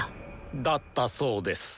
だったそうです。